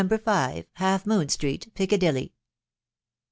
5. Half Moon Street, Piccadilly."